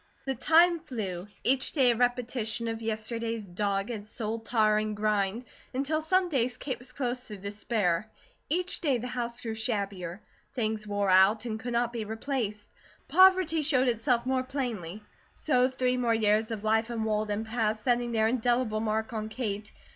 The time flew, each day a repetition of yesterday's dogged, soul tiring grind, until some days Kate was close to despair. Each day the house grew shabbier; things wore out and could not be replaced; poverty showed itself more plainly. So three more years of life in Walden passed, setting their indelible mark on Kate.